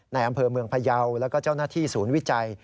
ในอำเภอเมืองพยาวแล้วก็เจ้าหน้าที่ศูนย์วิจัย